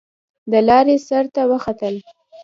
د لارۍ سر ته وختل.